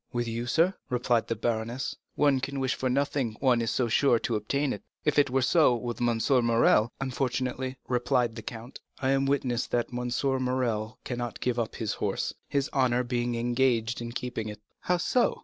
"With you, sir," replied the baroness, "one can wish for nothing, one is so sure to obtain it. If it were so with M. Morrel——" "Unfortunately," replied the count, "I am witness that M. Morrel cannot give up his horse, his honor being engaged in keeping it." "How so?"